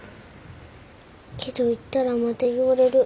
けど行ったらまた言われる。